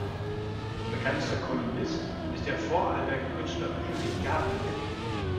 Bekanntester Kolumnist ist der Vorarlberger Künstler Ulrich Gabriel.